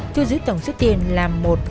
thu giữ tổng số tiền là